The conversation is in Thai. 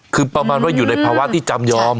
คือประมาณว่าอยู่ในภาวะที่จำยอม